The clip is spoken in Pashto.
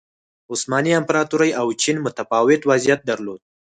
عثماني امپراتورۍ او چین متفاوت وضعیت درلود.